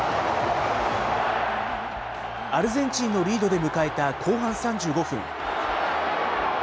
アルゼンチンのリードで迎えた後半３５分。